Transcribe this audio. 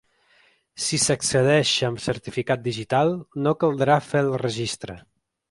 Si s’accedeix amb certificat digital, no caldrà fer el registre.